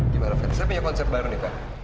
gimana fet saya punya konsep baru nih pak